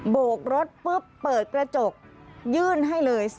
โบกรถปุ๊บเปิดกระจกยื่นให้เลย